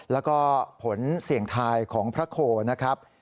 แล้วก็ผลเสี่ยงทายของพระโคนะครับ